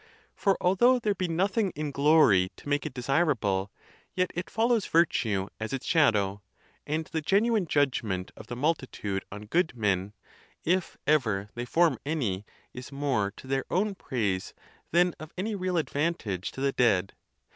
For although there be nothing i in glory to make it desirable, yet it follows virtue as its shadow; and the genuine judgment of the multitude on good men, if ever they form any, is more to their own praise than of any real advantage to the dead.